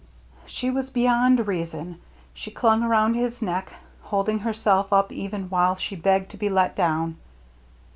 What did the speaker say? She was beyond reason. She clung around his neck, holding herself up even while she begged to be let down.